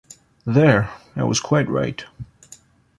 There I was quite right.